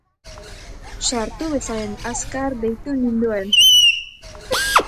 Sartu bezain azkar deitu ninduen.